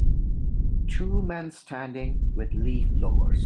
Two men standing with leaf blowers.